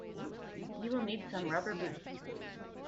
You will need some rubber boots.